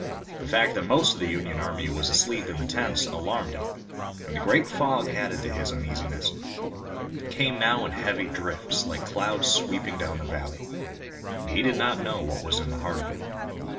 The fact that most of the Union army was asleep in the tents alarmed him, and the great fog added to his uneasiness. It came now in heavy drifts like clouds sweeping down the valley, and he did not know what was in the heart of it.